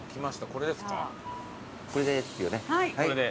これですよね。